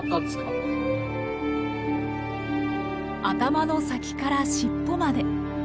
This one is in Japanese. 頭の先から尻尾まで。